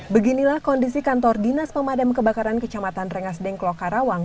beginilah kondisi kantor dinas pemadam kebakaran kecamatan rengas dengklok karawang